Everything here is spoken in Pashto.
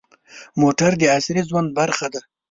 موټر د عصري ژوند برخه ده.